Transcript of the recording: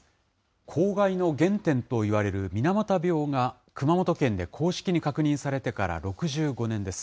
公害の原点といわれる水俣病が熊本県で公式に確認されてから６５年です。